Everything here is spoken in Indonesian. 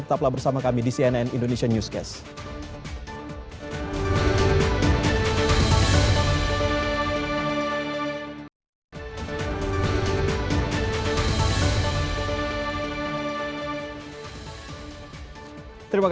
tetaplah bersama kami di cnn indonesia newscast